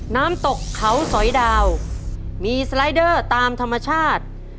น้ำตกเขาสอยดาวมีสไลเดอร์ตามธรรมชาติ